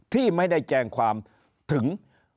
ที่ไม่ได้แจ้งความถึง